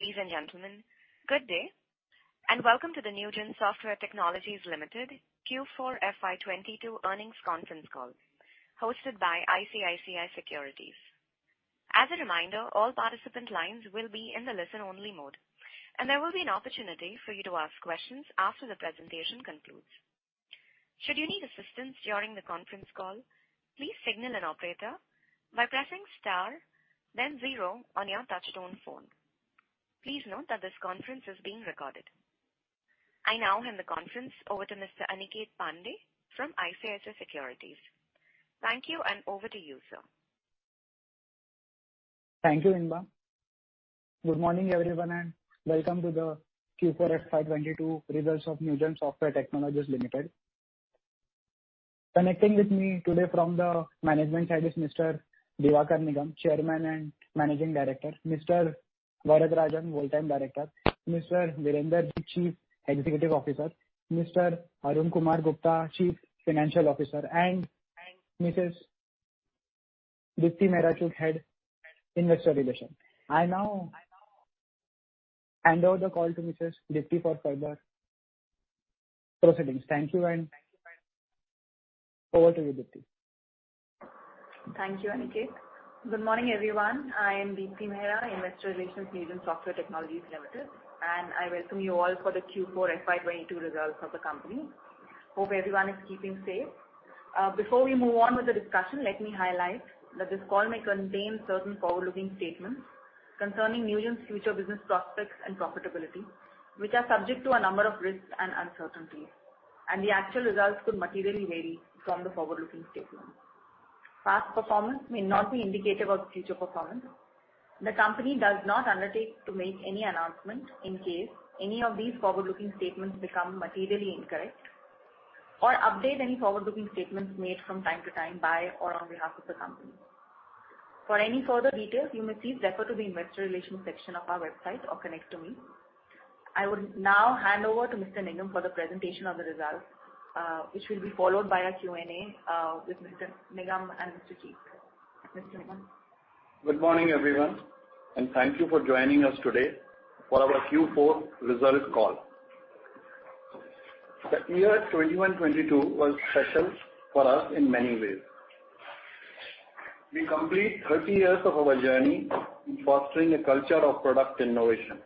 Ladies and gentlemen, good day, and welcome to the Newgen Software Technologies Limited Q4 FY 2022 Earnings Conference Call hosted by ICICI Securities. As a reminder, all participant lines will be in the listen-only mode, and there will be an opportunity for you to ask questions after the presentation concludes. Should you need assistance during the conference call, please signal an operator by pressing star then zero on your touchtone phone. Please note that this conference is being recorded. I now hand the conference over to Mr. Aniket Pande from ICICI Securities. Thank you, and over to you, sir. Thank you, Inba. Good morning, everyone, and welcome to the Q4 FY 2022 results of Newgen Software Technologies Limited. Connecting with me today from the management side is Mr. Diwakar Nigam, Chairman and Managing Director, Mr. T. S. Varadarajan, Whole-time Director, Mr. Virender Jeet, the Chief Executive Officer, Mr. Arun Kumar Gupta, Chief Financial Officer, and Mrs. Deepti Mehra Chugh, Head, Investor Relations. I now hand over the call to Mrs. Deepti for further proceedings. Thank you, and over to you, Deepti. Thank you, Aniket. Good morning, everyone. I'm Deepti Mehra, Investor Relations, Newgen Software Technologies Limited, and I welcome you all for the Q4 FY 2022 results of the company. Hope everyone is keeping safe. Before we move on with the discussion, let me highlight that this call may contain certain forward-looking statements concerning Newgen's future business prospects and profitability, which are subject to a number of risks and uncertainties, and the actual results could materially vary from the forward-looking statements. Past performance may not be indicative of future performance. The company does not undertake to make any announcement in case any of these forward-looking statements become materially incorrect or update any forward-looking statements made from time to time by or on behalf of the company. For any further details, you may please refer to the investor relations section of our website or connect to me. I would now hand over to Mr. Nigam for the presentation of the results, which will be followed by a Q&A, with Mr. Nigam and Mr. Jeet. Mr. Nigam? Good morning, everyone, and thank you for joining us today for our Q4 results call. The year 2021-2022 was special for us in many ways. We complete 30 years of our journey in fostering a culture of product innovation.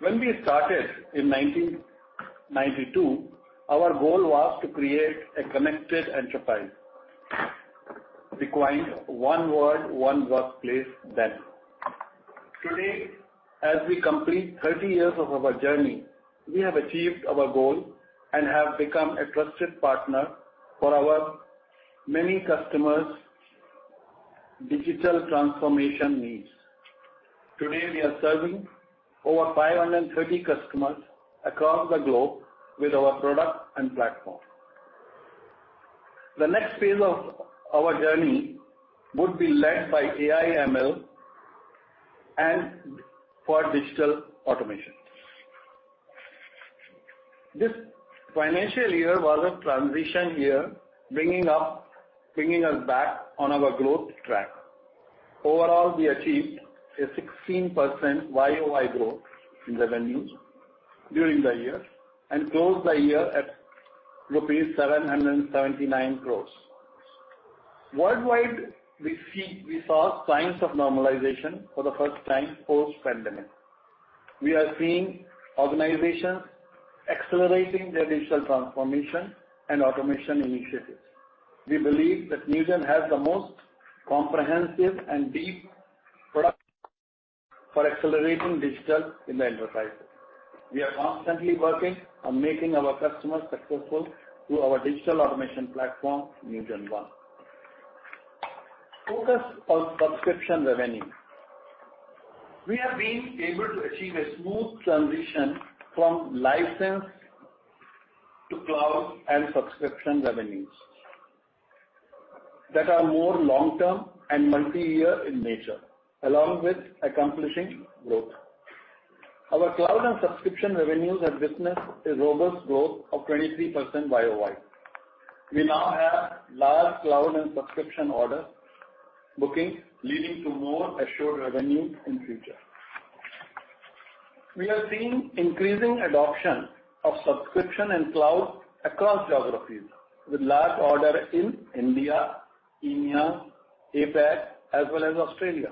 When we started in 1992, our goal was to create a connected enterprise requiring one world, one workplace then. Today, as we complete 30 years of our journey, we have achieved our goal and have become a trusted partner for our many customers' digital transformation needs. Today, we are serving over 530 customers across the globe with our product and platform. The next phase of our journey would be led by AI/ML and low-code for digital automation. This financial year was a transition year, bringing us back on our growth track. Overall, we achieved a 16% YoY growth in revenues during the year and closed the year at rupees 779 crores. Worldwide, we saw signs of normalization for the first time post-pandemic. We are seeing organizations accelerating their digital transformation and automation initiatives. We believe that Newgen has the most comprehensive and deep product for accelerating digital in the enterprise. We are constantly working on making our customers successful through our digital automation platform, NewgenONE. Focus on subscription revenue. We have been able to achieve a smooth transition from license to cloud and subscription revenues that are more long-term and multi-year in nature, along with accomplishing growth. Our cloud and subscription revenues have witnessed a robust growth of 23% YoY. We now have large cloud and subscription orders bookings, leading to more assured revenue in future. We are seeing increasing adoption of subscription and cloud across geographies with large order in India, EMEA, APAC as well as Australia.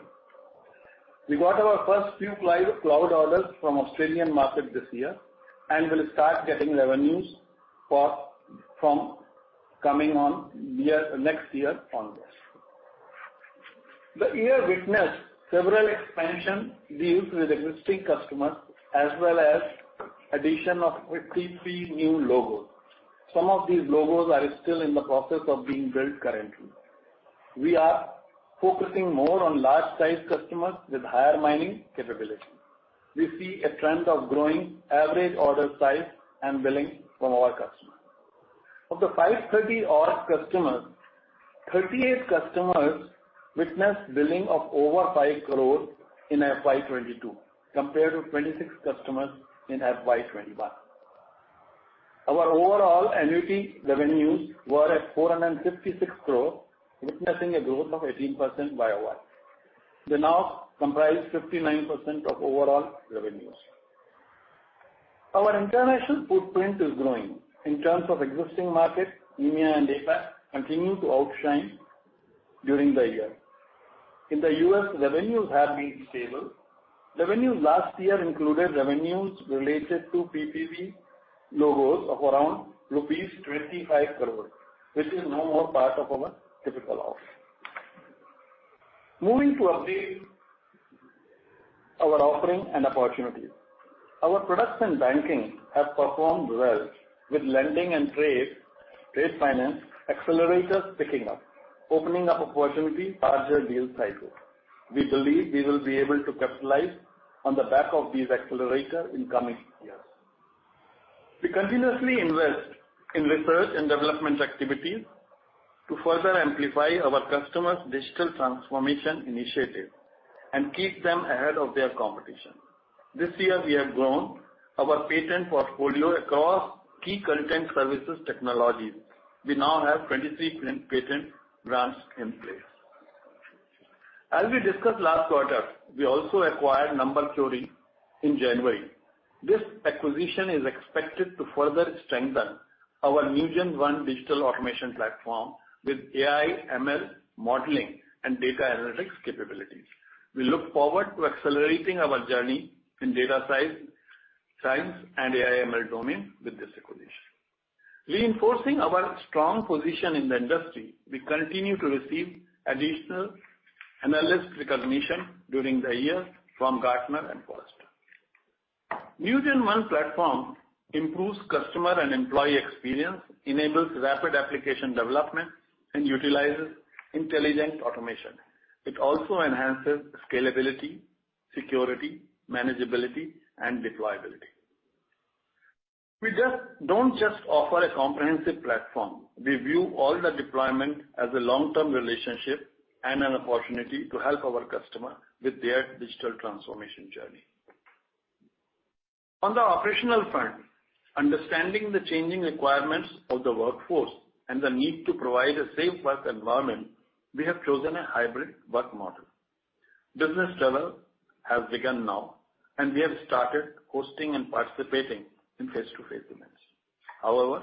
We got our first few cloud orders from Australian market this year and will start getting revenues from next year onwards. The year witnessed several expansion deals with existing customers as well as addition of 53 new logos. Some of these logos are still in the process of being built currently. We are focusing more on large-size customers with higher margin capability. We see a trend of growing average order size and billing from our customers. Of the 530-odd customers, 38 customers witnessed billing of over 5 crore in FY 2022 compared to 26 customers in FY 2021. Our overall annuity revenues were at 456 crore, witnessing a growth of 18% YoY. They now comprise 59% of overall revenues. Our international footprint is growing in terms of existing markets. EMEA and APAC continue to outshine during the year. In the U.S., revenues have been stable. Revenues last year included revenues related to PPP loans of around rupees 25 crores, which is no more part of our typical offer. Moving to update our offering and opportunities. Our products and banking have performed well with lending and trade finance accelerators picking up, opening up opportunity, larger deal sizes. We believe we will be able to capitalize on the back of these accelerators in coming years. We continuously invest in research and development activities to further amplify our customers' digital transformation initiatives and keep them ahead of their competition. This year we have grown our patent portfolio across key content services technologies. We now have 23 patent grants in place. As we discussed last quarter, we also acquired Number Theory in January. This acquisition is expected to further strengthen our NewgenONE digital automation platform with AI/ML modeling and data analytics capabilities. We look forward to accelerating our journey in data science and AI/ML domain with this acquisition. Reinforcing our strong position in the industry, we continue to receive additional analyst recognition during the year from Gartner and Forrester. NewgenONE platform improves customer and employee experience, enables rapid application development, and utilizes intelligent automation. It also enhances scalability, security, manageability, and deployability. We don't just offer a comprehensive platform. We view all the deployment as a long-term relationship and an opportunity to help our customer with their digital transformation journey. On the operational front, understanding the changing requirements of the workforce and the need to provide a safe work environment, we have chosen a hybrid work model. Business travel has begun now, and we have started hosting and participating in face-to-face events. However,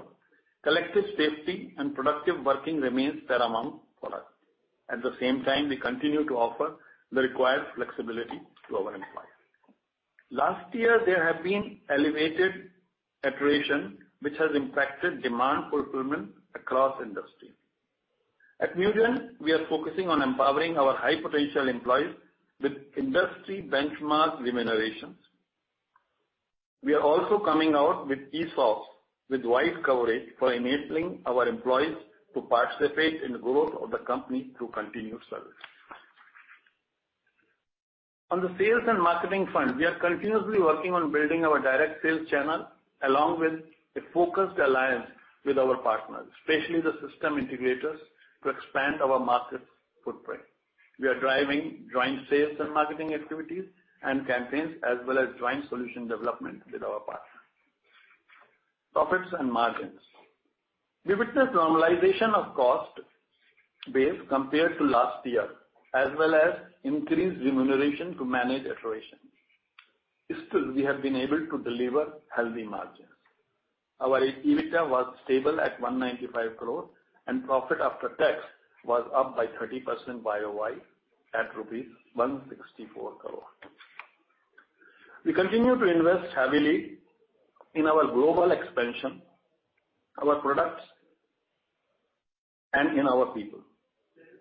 collective safety and productive working remains paramount for us. At the same time, we continue to offer the required flexibility to our employees. Last year there have been elevated attrition, which has impacted demand fulfillment across industry. At Newgen, we are focusing on empowering our high-potential employees with industry benchmark remunerations. We are also coming out with ESOPs with wide coverage for enabling our employees to participate in the growth of the company through continued service. On the sales and marketing front, we are continuously working on building our direct sales channel along with a focused alliance with our partners, especially the system integrators, to expand our market footprint. We are driving joint sales and marketing activities and campaigns as well as joint solution development with our partners. Profits and margins. We witnessed normalization of cost base compared to last year, as well as increased remuneration to manage attrition. Still, we have been able to deliver healthy margins. Our EBITDA was stable at 195 crores and profit after tax was up by 30% YoY at rupees 164 crores. We continue to invest heavily in our global expansion, our products, and in our people.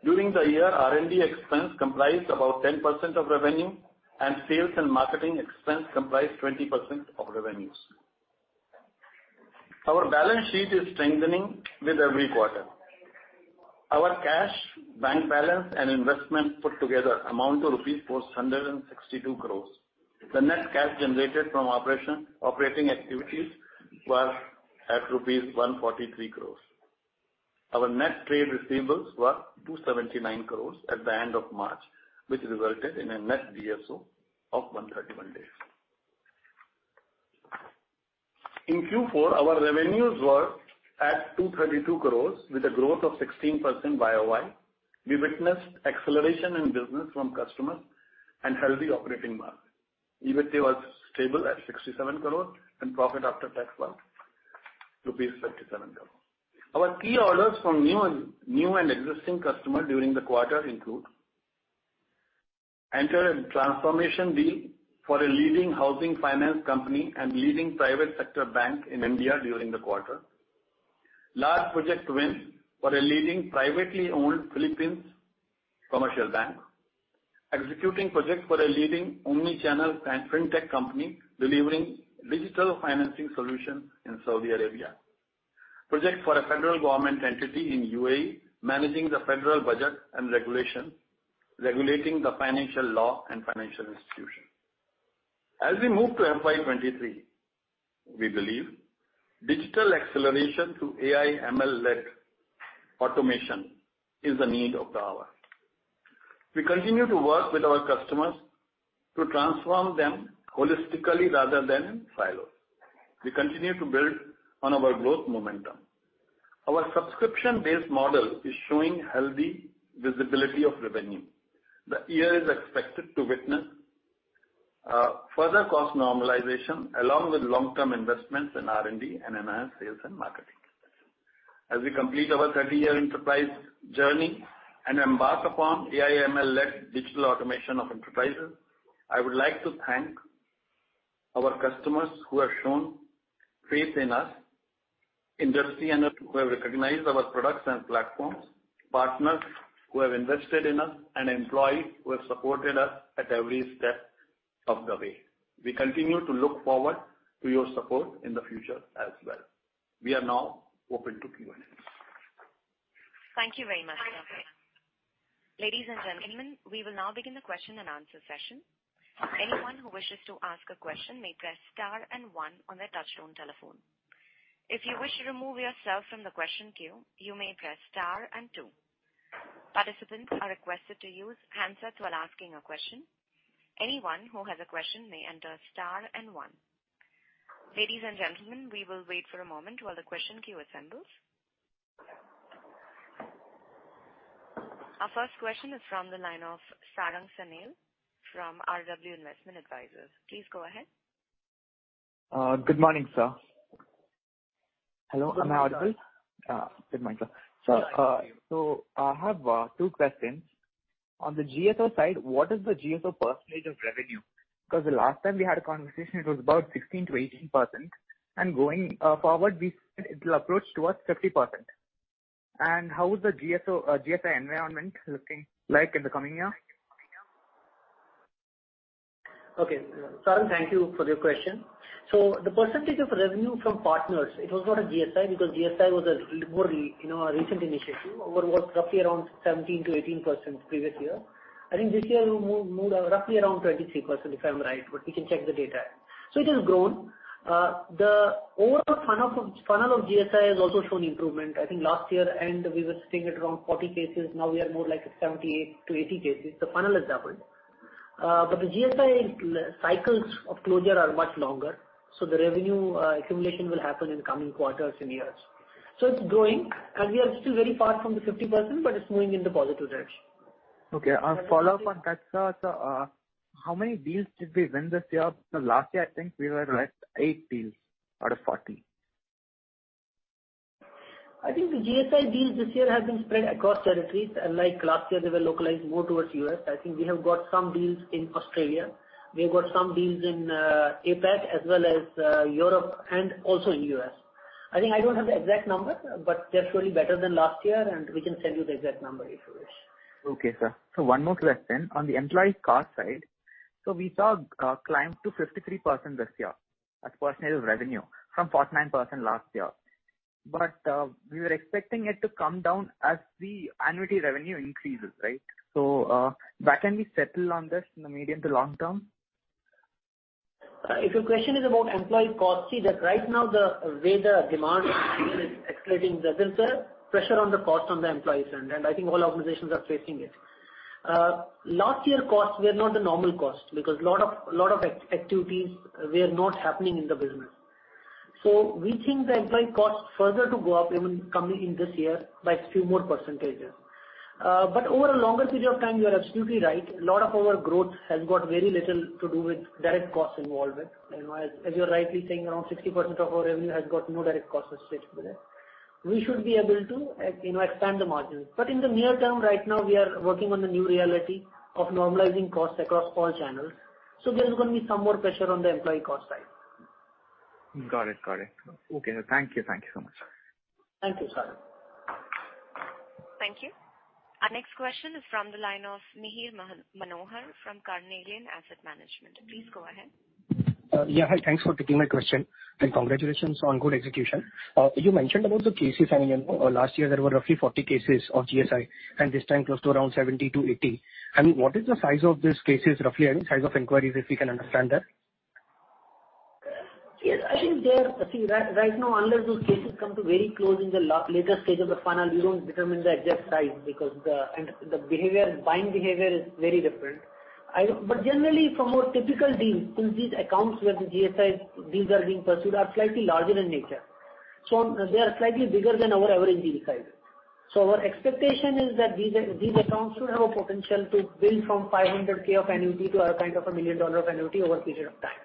During the year, R&D expense comprised about 10% of revenue and sales and marketing expense comprised 20% of revenues. Our balance sheet is strengthening with every quarter. Our cash, bank balance and investment put together amount to rupees 462 crores. The net cash generated from operating activities was at rupees 143 crores. Our net trade receivables were 279 crores at the end of March, which resulted in a net DSO of 131 days. In Q4, our revenues were at 232 crores with a growth of 16% YoY. We witnessed acceleration in business from customers and healthy operating margin. EBITDA was stable at 67 crores and profit after tax was rupees 57 crores. Our key orders from new and existing customers during the quarter include a transformation deal for a leading housing finance company and leading private sector bank in India during the quarter. Large project wins for a leading privately owned Philippine commercial bank. Executing projects for a leading omni-channel pan-fintech company delivering digital financing solutions in Saudi Arabia. Projects for a federal government entity in UAE, managing the federal budget and regulation, regulating the financial law and financial institutions. As we move to FY 2023, we believe digital acceleration through AI/ML-led automation is the need of the hour. We continue to work with our customers to transform them holistically rather than in silos. We continue to build on our growth momentum. Our subscription-based model is showing healthy visibility of revenue. The year is expected to witness further cost normalization along with long-term investments in R&D and enhanced sales and marketing. As we complete our 30-year enterprise journey and embark upon AI, ML-led digital automation of enterprises, I would like to thank our customers who have shown faith in us, industry analysts who have recognized our products and platforms, partners who have invested in us, and employees who have supported us at every step of the way. We continue to look forward to your support in the future as well. We are now open to Q&A. Thank you very much. Ladies and gentlemen, we will now begin the question-and-answer session. Anyone who wishes to ask a question may press star and one on their touchtone telephone. If you wish to remove yourself from the question queue, you may press star and two. Participants are requested to use handsets while asking a question. Anyone who has a question may enter star and one. Ladies and gentlemen, we will wait for a moment while the question queue assembles. Our first question is from the line of Sarang Sanil from RW Investment Advisors. Please go ahead. Good morning, sir. Hello, am I audible? Good morning, sir. I have two questions. On the GSI side, what is the GSI percentage of revenue? Because the last time we had a conversation it was about 16%-18%, and going forward we said it will approach towards 50%. How is the GSI environment looking like in the coming year? Okay. Sarang, thank you for your question. The percentage of revenue from partners, it was not a GSI because GSI was a little more you know, a recent initiative. Our work roughly around 17%-18% previous year. I think this year we moved roughly around 23%, if I'm right, but we can check the data. It has grown. The overall funnel of GSI has also shown improvement. I think last year end we were sitting at around 40 cases. Now we are more like at 70-80 cases. The funnel has doubled. But the GSI cycles of closure are much longer, so the revenue accumulation will happen in coming quarters and years. It's growing and we are still very far from the 50%, but it's moving in the positive direction. Okay. I'll follow-up on that, sir. How many deals did we win this year? Because last year I think we were at eight deals out of 40. I think the GSI deals this year have been spread across territories. Unlike last year, they were localized more towards U.S. I think we have got some deals in Australia. We have got some deals in APAC as well as Europe and also in U.S. I think I don't have the exact number, but they're surely better than last year and we can send you the exact number if you wish. Okay, sir. One more question. On the employee cost side, we saw climb to 53% this year as percentage of revenue from 49% last year. We were expecting it to come down as the annuity revenue increases, right? Where can we settle on this in the medium to long term? If your question is about employee costs, see that right now the way the demand is escalating, there's been some pressure on the cost on the employee front, and I think all organizations are facing it. Last year costs were not the normal cost because lot of activities were not happening in the business. We think the employee costs further to go up even coming in this year by few more percentages. Over a longer period of time, you are absolutely right. A lot of our growth has got very little to do with direct costs involved with. You know, as you're rightly saying, around 60% of our revenue has got no direct costs associated with it. We should be able to, you know, expand the margins. In the near term, right now we are working on the new reality of normalizing costs across all channels, so there's gonna be some more pressure on the employee cost side. Got it. Okay, sir. Thank you so much. Thank you, Sarang. Thank you. Our next question is from the line of Mihir Manohar from Carnelian Asset Management. Please go ahead. Yeah. Hi, thanks for taking my question, and congratulations on good execution. You mentioned about the cases. I mean, you know, last year there were roughly 40 cases of GSI and this time close to around 70-80. I mean, what is the size of these cases roughly? I mean, size of inquiries, if we can understand that. Yes, I think they are. See, right now under those cases come to very close in the later stage of the funnel, we don't determine the exact size because the buying behavior is very different. Generally from our typical deals in these accounts where the GSIs deals are being pursued are slightly larger in nature. They are slightly bigger than our average deal size. Our expectation is that these accounts should have a potential to build from $500K of annuity to a kind of $1 million of annuity over a period of time.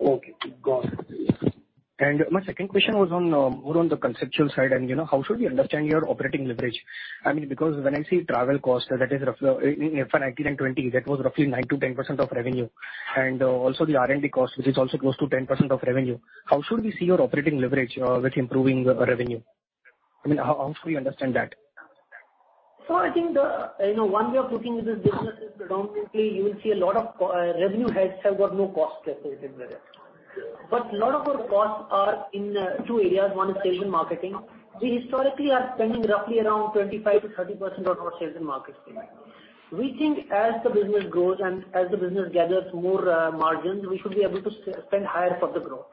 Okay, got it. My second question was on more on the conceptual side and, you know, how should we understand your operating leverage? I mean, because when I see travel costs, that is in FY 2019 and 2020, that was roughly 9%-10% of revenue. Also the R&D cost, which is also close to 10% of revenue. How should we see your operating leverage with improving revenue? I mean, how should we understand that? I think you know, one way of looking at this business is predominantly you will see a lot of revenue heads have got no cost associated with it. But a lot of our costs are in two areas. One is sales and marketing. We historically are spending roughly around 25%-30% on our sales and marketing. We think as the business grows and as the business gathers more margins, we should be able to spend higher for the growth.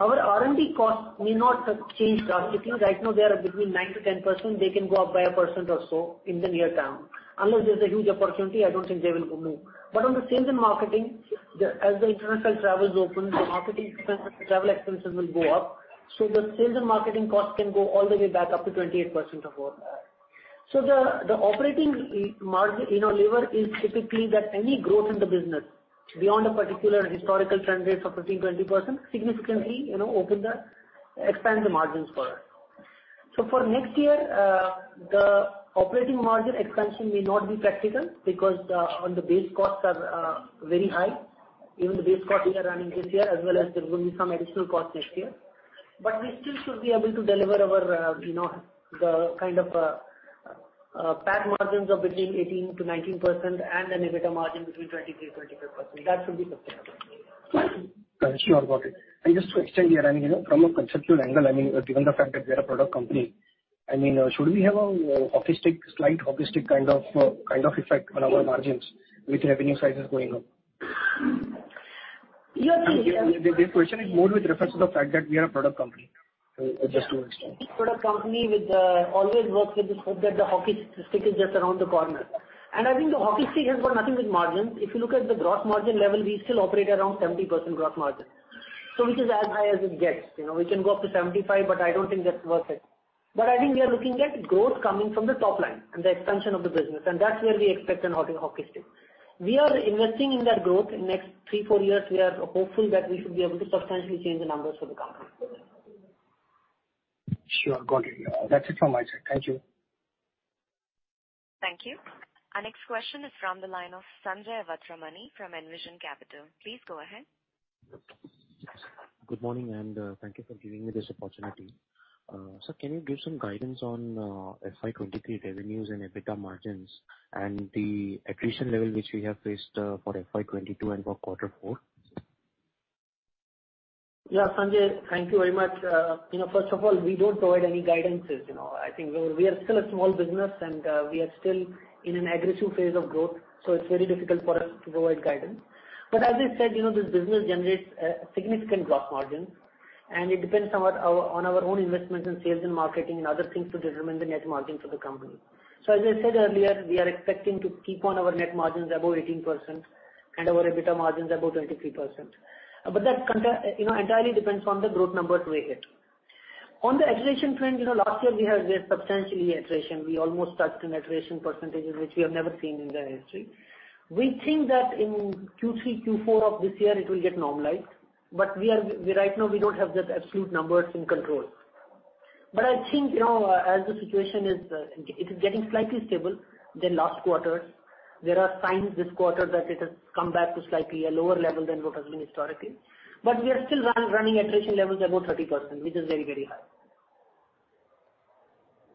Our R&D costs may not have changed drastically. Right now, they are between 9%-10%. They can go up by a percent or so in the near term. Unless there's a huge opportunity, I don't think they will move. But on the sales and marketing, as the international travel opens, the marketing expenses, travel expenses will go up. The sales and marketing costs can go all the way back up to 28% or more. The operating lever is typically that any growth in the business beyond a particular historical trend rates of 15%, 20% significantly expand the margins for us. For next year, the operating margin expansion may not be practical because the base costs are very high. Even the base costs we are running this year, as well as there will be some additional costs next year. We still should be able to deliver our PAT margins of between 18%-19% and an EBITDA margin between 23%-25%. That should be sustainable. Sure. Got it. Just to extend here, I mean, you know, from a conceptual angle, I mean, given the fact that we are a product company, I mean, should we have a hockey stick, slight hockey stick kind of effect on our margins with revenue sizes going up? You are thinking. This question is more with reference to the fact that we are a product company. Just to extend. Product company always works with this hope that the hockey stick is just around the corner. I think the hockey stick has got nothing with margins. If you look at the gross margin level, we still operate around 70% gross margin. Which is as high as it gets. You know, we can go up to 75%, but I don't think that's worth it. I think we are looking at growth coming from the top line and the expansion of the business, and that's where we expect a hockey stick. We are investing in that growth. In next three, four years, we are hopeful that we should be able to substantially change the numbers for the company. Sure. Got it. That's it from my side. Thank you. Thank you. Our next question is from the line of Sanjay Awatramani from Envision Capital. Please go ahead. Good morning, thank you for giving me this opportunity. Sir, can you give some guidance on FY 2023 revenues and EBITDA margins and the attrition level which we have faced for FY 2022 and for quarter four? Yeah, Sanjay, thank you very much. You know, first of all, we don't provide any guidances, you know. I think we are still a small business and we are still in an aggressive phase of growth, so it's very difficult for us to provide guidance. But as I said, you know, this business generates a significant gross margin, and it depends on our own investments in sales and marketing and other things to determine the net margin for the company. So as I said earlier, we are expecting to keep on our net margins above 18% and our EBITDA margins above 23%. But you know, entirely depends on the growth numbers we hit. On the attrition front, you know, last year we have faced substantial attrition. We almost touched an attrition percentage which we have never seen in the history. We think that in Q3, Q4 of this year it will get normalized, but right now we don't have the absolute numbers in control. I think, you know, as the situation is, it is getting slightly more stable than last quarter. There are signs this quarter that it has come back to a slightly lower level than what it was doing historically. We are still running attrition levels above 30%, which is very, very high.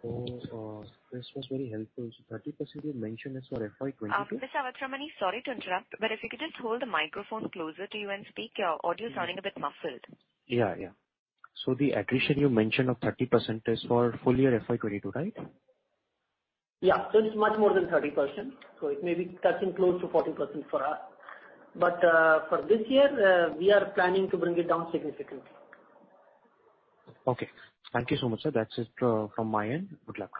Oh, this was very helpful. 30% you mentioned is for FY 2022? Mr. Awatramani, sorry to interrupt, but if you could just hold the microphone closer to you and speak. Your audio is sounding a bit muffled. Yeah, yeah. The attrition you mentioned of 30% is for full year FY 2022, right? Yeah. It's much more than 30%. It may be touching close to 40% for us. For this year, we are planning to bring it down significantly. Okay. Thank you so much, sir. That's it, from my end. Good luck.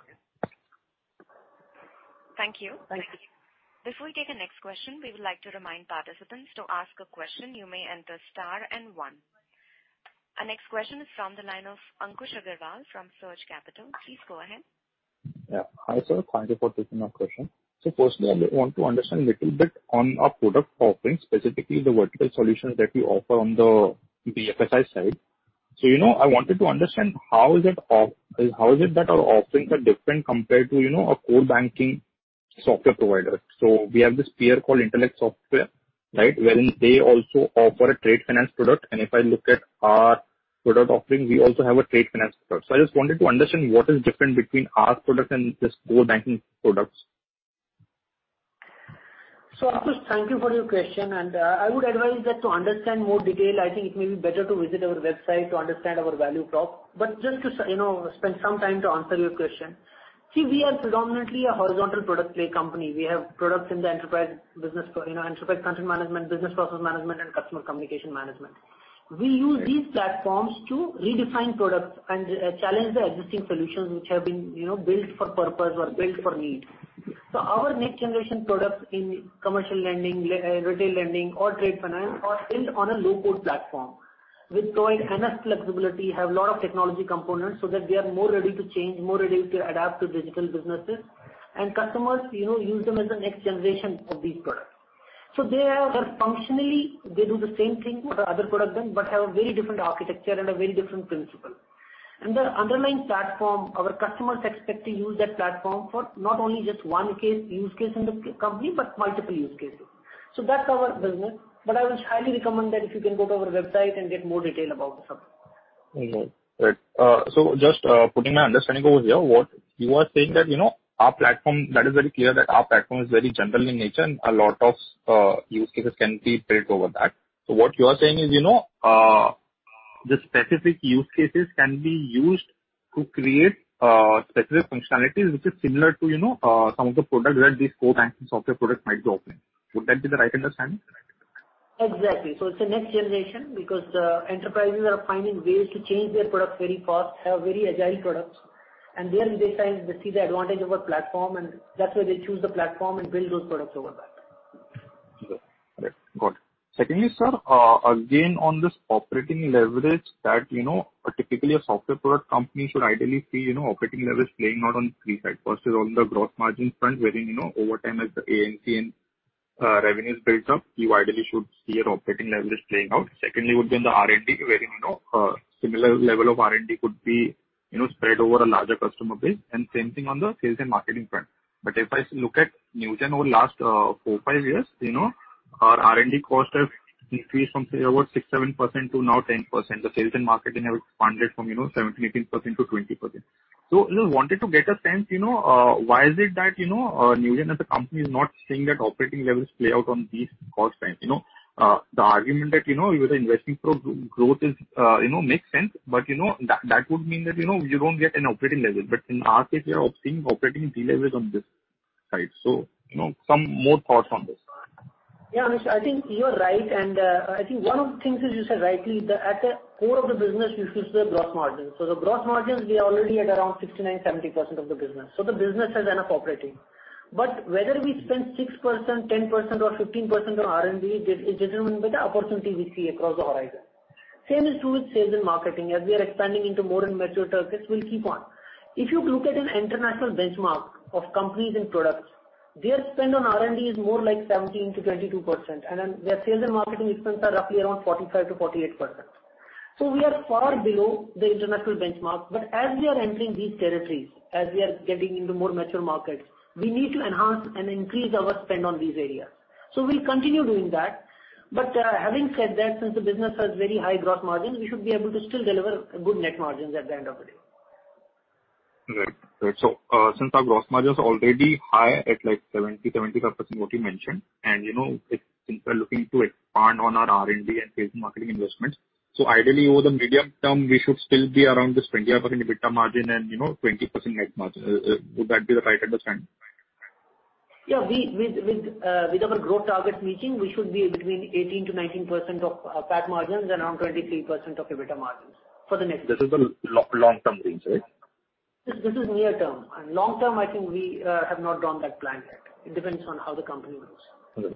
Thank you. Thank you. Before we take the next question, we would like to remind participants to ask a question, you may enter star and one. Our next question is from the line of Ankush Agrawal from Surge Capital. Please go ahead. Yeah. Hi, sir. Thank you for taking my question. Firstly, I want to understand little bit on our product offerings, specifically the vertical solutions that we offer on the BFSI side. You know, I wanted to understand how is it that our offerings are different compared to, you know, a core banking software provider. We have this peer called Intellect Software, right? Wherein they also offer a trade finance product. If I look at our product offering, we also have a trade finance product. I just wanted to understand what is different between our product and this core banking products. Ankush, thank you for your question, and I would advise that to understand more detail, I think it may be better to visit our website to understand our value prop. Just to, you know, spend some time to answer your question. See, we are predominantly a horizontal product play company. We have products in the enterprise business, you know, Enterprise Content Management, Business Process Management, and Customer Communication Management. We use these platforms to redefine products and challenge the existing solutions which have been, you know, built for purpose or built for need. Our next generation products in commercial lending, retail lending or trade finance are built on a low-code platform, which provide enough flexibility, have a lot of technology components, so that they are more ready to change, more ready to adapt to digital businesses. Customers, you know, use them as a next generation of these products. They are functionally, they do the same thing what our other product done, but have a very different architecture and a very different principle. The underlying platform, our customers expect to use that platform for not only just one case, use case in the company, but multiple use cases. That's our business. I would highly recommend that if you can go to our website and get more detail about the product. Okay. Great. Just putting my understanding over here, what you are saying that, you know, our platform, that is very clear that our platform is very general in nature and a lot of use cases can be built over that. What you are saying is, you know, the specific use cases can be used to create specific functionalities which is similar to, you know, some of the products where these core banking software products might go up in. Would that be the right understanding? Exactly. It's the next generation because, enterprises are finding ways to change their products very fast, have very agile products. There in this time, they see the advantage of a platform, and that's why they choose the platform and build those products over that. Yeah. Right. Got it. Secondly, sir, again, on this operating leverage that, you know, typically a software product company should ideally see, you know, operating leverage playing out on three sides. First is on the gross margin front, wherein, you know, over time as the AMC and revenues builds up, you ideally should see an operating leverage playing out. Secondly would be in the R&D wherein, you know, similar level of R&D could be, you know, spread over a larger customer base, and same thing on the sales and marketing front. But if I look at Newgen over the last four, five years, you know, our R&D costs have increased from say over 6%-7% to now 10%. The sales and marketing have expanded from, you know, 17%-18%-20%. You know, wanted to get a sense, you know, why is it that, you know, Newgen as a company is not seeing that operating leverage play out on these cost trends, you know? The argument that, you know, you are investing for growth is, you know, makes sense. You know, that would mean that, you know, you don't get an operating leverage. In our case, we are seeing operating leverage on this side. You know, some more thoughts on this. Yeah, Ankush. I think you're right. I think one of the things is you said rightly that at the core of the business, you should see the gross margin. The gross margins, we are already at around 69%-70% of the business. The business has been operating. Whether we spend 6%, 10% or 15% on R&D is determined by the opportunity we see across the horizon. Same is true with sales and marketing. As we are expanding into more and mature targets, we'll keep on. If you look at an international benchmark of companies and products, their spend on R&D is more like 17%-22%, and then their sales and marketing expense are roughly around 45%-48%. We are far below the international benchmark. As we are entering these territories, as we are getting into more mature markets, we need to enhance and increase our spend on these areas. We'll continue doing that. Having said that, since the business has very high gross margin, we should be able to still deliver good net margins at the end of the day. Right. Since our gross margin is already high at like 70%-75% what you mentioned, and, you know, if we are looking to expand on our R&D and sales and marketing investments, ideally over the medium term, we should still be around this 20% EBITDA margin and, you know, 20% net margin. Would that be the right understanding? Yeah. With our growth targets meeting, we should be between 18%-19% of PAT margins and around 23% of EBITDA margins for the next. This is the long-term range, right? This is near term. Long term, I think we have not drawn that plan yet. It depends on how the company grows. Okay.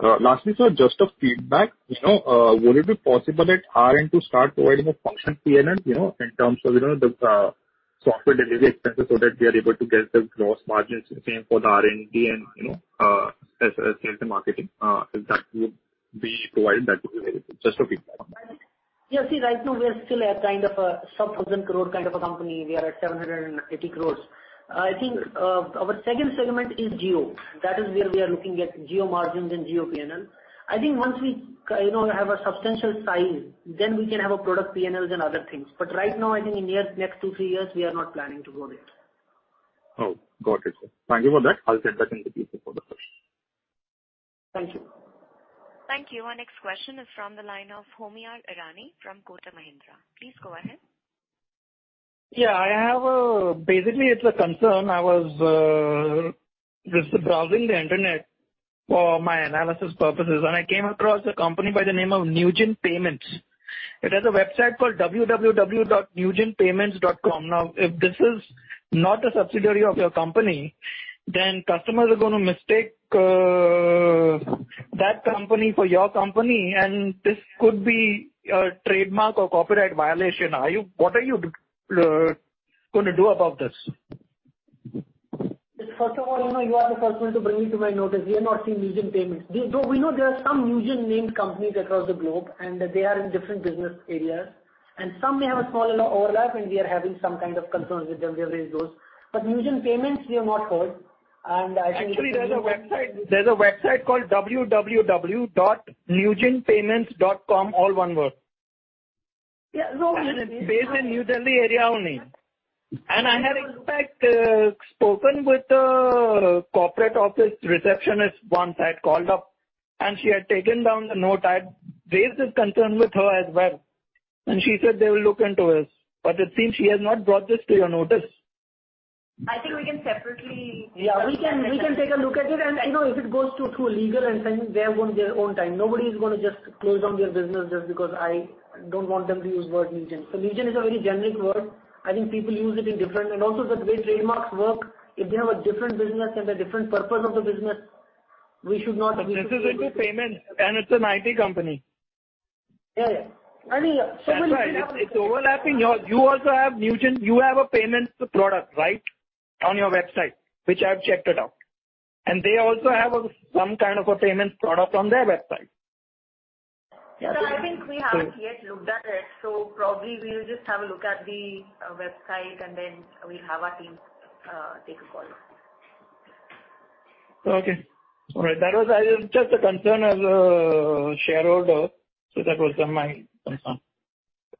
Right. Lastly, sir, just a feedback. You know, would it be possible to start providing a functional P&L, you know, in terms of the software delivery expenses so that we are able to get the gross margins same for the R&D and, you know, sales and marketing, if that could be provided, that would be very good. Just a feedback. Yeah. See, right now we are still a kind of a sub-INR 1,000 crore kind of a company. We are at 780 crore. I think, our second segment is geo. That is where we are looking at geo margins and geo P&L. I think once we you know, have a substantial size, then we can have a product P&Ls and other things. Right now, I think in near, next two, three years, we are not planning to go there. Oh, got it. Thank you for that. I'll get back into the queue for the questions. Thank you. Thank you. Our next question is from the line of Homiyar Irani from Kotak Mahindra. Please go ahead. Yeah. Basically, it's a concern. I was just browsing the internet for my analysis purposes, and I came across a company by the name of Newgen Payments. It has a website called www.newgenpayments.com. Now, if this is not a subsidiary of your company, then customers are gonna mistake that company for your company, and this could be a trademark or copyright violation. What are you going to do about this? First of all, you know, you are the first one to bring it to my notice. We have not seen Newgen Payments. Though we know there are some Newgen-named companies across the globe, and they are in different business areas, and some may have a small overlap, and we are having some kind of concerns with them. We have raised those. Newgen Payments, we have not heard. I think. Actually, there's a website called www.newgenpayments.com, all one word. Yeah. It's based in New Delhi area only. I had in fact spoken with the corporate office receptionist once. I had called up and she had taken down the note. I had raised this concern with her as well, and she said they will look into it. It seems she has not brought this to your notice. I think we can separately. Yeah, we can take a look at it. You know, if it goes to a legal and things, they have on their own time. Nobody's gonna just close down their business just because I don't want them to use word Newgen. Newgen is a very generic word. I think people use it in different. Also the way trademarks work, if they have a different business and a different purpose of the business, we should not. This is into payments and it's an IT company. Yeah, yeah. I mean, so many people have. That's right. You also have Newgen, you have a payments product, right, on your website, which I've checked it out. They also have a some kind of a payments product on their website. Yeah. Sir, I think we haven't yet looked at it, so probably we'll just have a look at the website, and then we'll have our team take a call. Okay. All right. That was just a concern as a shareholder, so that was on my concern.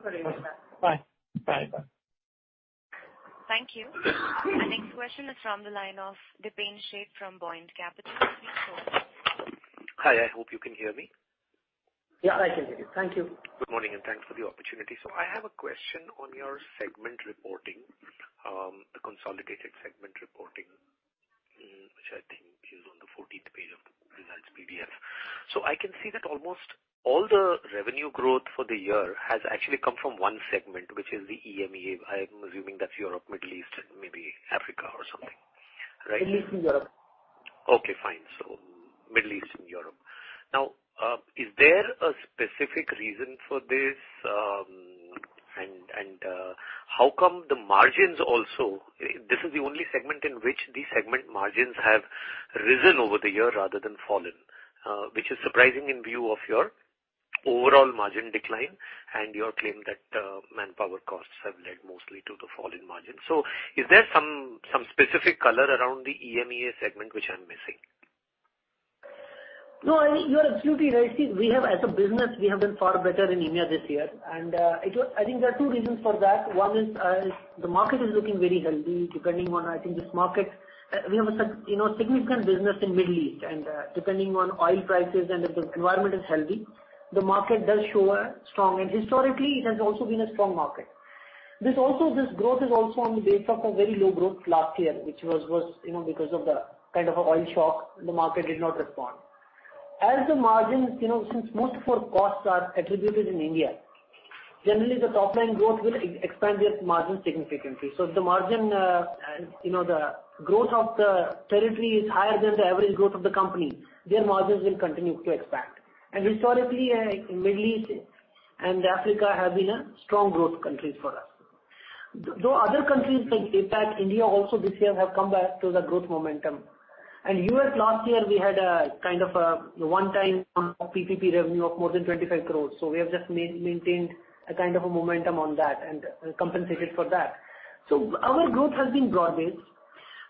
Very well, sir. Bye. Bye-bye. Thank you. Our next question is from the line of Dipen Sheth from Buoyant Capital. Please go ahead. Hi, I hope you can hear me. Yeah, I can hear you. Thank you. Good morning, thanks for the opportunity. I have a question on your segment reporting, the consolidated segment reporting, which I think is on the 14th page of the results PDF. I can see that almost all the revenue growth for the year has actually come from one segment, which is the EMEA. I'm assuming that's Europe, Middle East, and maybe Africa or something. Right? Middle East and Europe. Okay, fine. Middle East and Europe. Now, is there a specific reason for this? How come the margins also? This is the only segment in which the segment margins have risen over the year rather than fallen, which is surprising in view of your overall margin decline and your claim that manpower costs have led mostly to the fall in margin. Is there some specific color around the EMEA segment which I'm missing? No, I mean, you are absolutely right. See, we have as a business, we have been far better in EMEA this year. I think there are two reasons for that. One is, the market is looking very healthy, depending on, I think, this market. You know, significant business in Middle East. Depending on oil prices and if the environment is healthy, the market does show a strong. Historically, it has also been a strong market. This also, this growth is also on the base of a very low growth last year, which was, you know, because of the kind of oil shock, the market did not respond. As the margins, you know, since most of our costs are attributed in India, generally the top-line growth will expand this margin significantly. If the margin, you know, the growth of the territory is higher than the average growth of the company, their margins will continue to expand. Historically, Middle East and Africa have been strong growth countries for us. Though other countries like APAC, India also this year have come back to the growth momentum. U.S. last year, we had a kind of a one-time PPP revenue of more than 25 crore. We have just maintained a kind of a momentum on that and compensated for that. Our growth has been broad-based.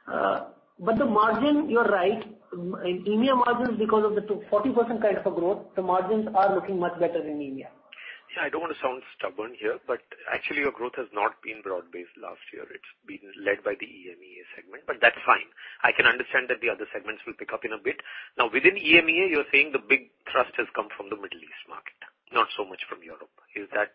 But the margin, you're right. In EMEA margins, because of the 40% kind of a growth, the margins are looking much better in EMEA. Yeah, I don't wanna sound stubborn here, but actually your growth has not been broad-based last year. It's been led by the EMEA segment, but that's fine. I can understand that the other segments will pick up in a bit. Now, within EMEA, you're saying the big thrust has come from the Middle East market, not so much from Europe. Is that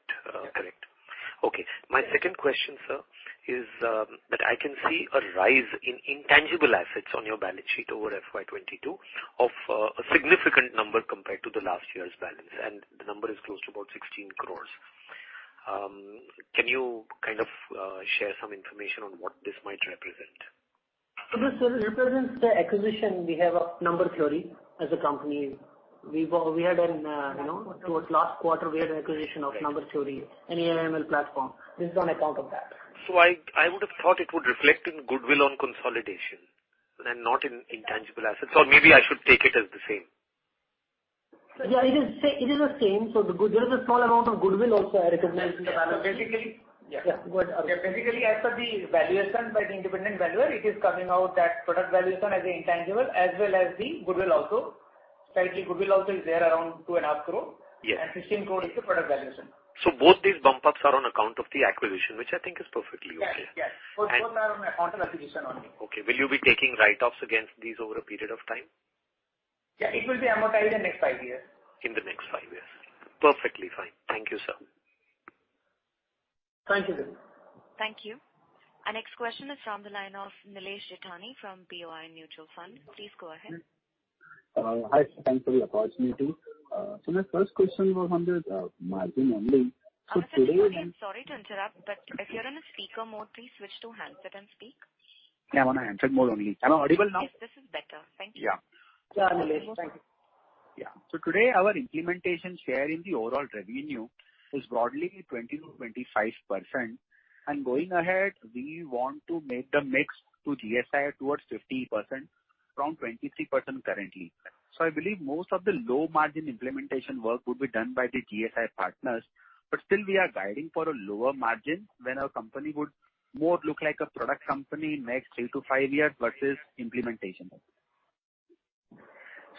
correct? Yeah. Okay. My second question, sir, is that I can see a rise in intangible assets on your balance sheet over FY 2022 of a significant number compared to the last year's balance, and the number is close to about 16 crores. Can you kind of share some information on what this might represent? This represents the acquisition we have of Number Theory as a company. We had an acquisition towards last quarter of Number Theory, an AI/ML platform. This is on account of that. I would have thought it would reflect in goodwill on consolidation and not in intangible assets, or maybe I should take it as the same. It is the same. There is a small amount of goodwill also I recognized in the balance sheet. Yeah, basically. Yeah. Yeah. Go ahead. Yeah. Basically, as per the valuation by the independent valuer, it is coming out that product valuation as the intangible as well as the goodwill also. Slightly goodwill also is there around 2.5 crore. Yes. 16 crore is the product valuation. Both these bump ups are on account of the acquisition, which I think is perfectly okay. Yes. Yes. Both are on account of acquisition only. Okay. Will you be taking write-offs against these over a period of time? Yeah. It will be amortized in next five years. In the next five years. Perfectly fine. Thank you, sir. Thank you. Thank you. Our next question is from the line of Nilesh Jethani from BOI Mutual Fund. Please go ahead. Hi. Thanks for the opportunity. My first question was on the margin only. Today- I'm sorry to interrupt, but if you're in a speaker mode, please switch to handset and speak. Yeah, I'm on a handset mode only. Am I audible now? Yes, this is better. Thank you. Yeah. Yeah. Nilesh, thank you. Yeah. Today, our implementation share in the overall revenue is broadly 20%-25%. Going ahead, we want to make the mix to GSI towards 50% from 23% currently. I believe most of the low-margin implementation work would be done by the GSI partners. Still we are guiding for a lower margin when our company would more look like a product company next three to five years versus implementation.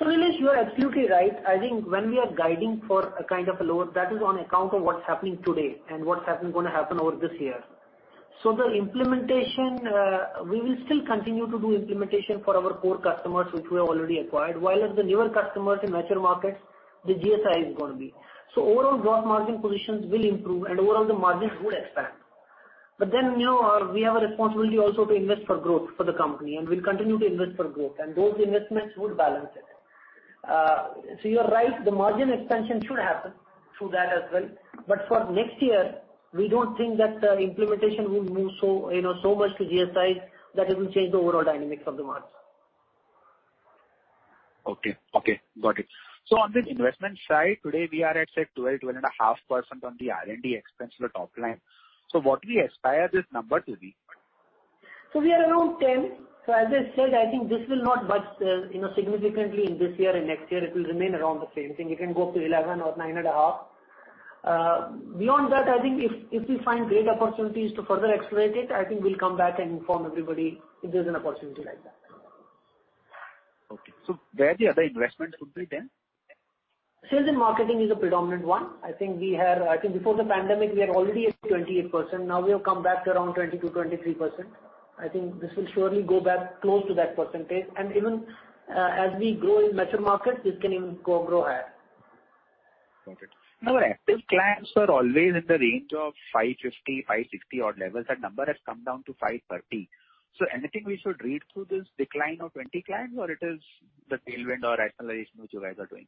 Nilesh, you are absolutely right. I think when we are guiding for a kind of a lower, that is on account of what's happening today and what's gonna happen over this year. The implementation, we will still continue to do implementation for our core customers which we have already acquired, while at the newer customers in mature markets, the GSI is gonna be. Overall gross margin positions will improve and overall the margins would expand. You know, we have a responsibility also to invest for growth for the company, and we'll continue to invest for growth, and those investments would balance it. You're right, the margin expansion should happen through that as well. For next year, we don't think that implementation will move so, you know, so much to GSI that it will change the overall dynamics of the margin. Okay. Okay, got it. On this investment side, today we are at, say, 12%-12.5% on the R&D expense to the top line. What we aspire this number to be? We are around 10%. As I said, I think this will not budge, you know, significantly in this year and next year. It will remain around the same thing. It can go up to 11% or 9.5%. Beyond that, I think if we find great opportunities to further accelerate it, I think we'll come back and inform everybody if there's an opportunity like that. Okay. Where the other investments could be then? Sales and marketing is a predominant one. I think before the pandemic, we are already at 28%. Now we have come back around 20%-23%. I think this will surely go back close to that percentage. Even as we grow in mature markets, this can even go higher. Got it. Now, our active clients are always in the range of 550-560 odd levels. That number has come down to 530. Anything we should read into this decline of 20 clients or it is the tail end of rationalization which you guys are doing?